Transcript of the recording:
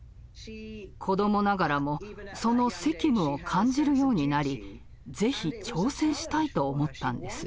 子どもながらもその責務を感じるようになりぜひ挑戦したいと思ったんです。